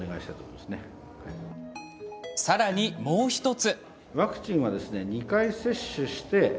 さらにもう１つ。